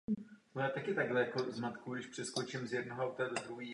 Muzeum provozuje a na jeho provoz přispívá společnost Pražské Benátky.